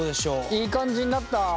いい感じになった？